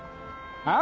あ？